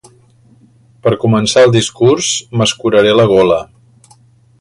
Per començar el discurs, m'escuraré la gola.